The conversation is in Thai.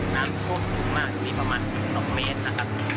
น้ำโค้กถูกมากที่ประมาณ๒เมตรนะครับ